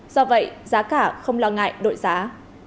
do vậy giá cả không lo ngại đội giá